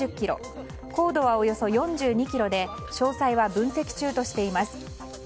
高度はおよそ４２ｋｍで詳細は分析中としています。